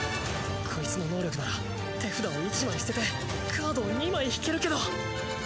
コイツの能力なら手札を１枚捨ててカードを２枚引けるけど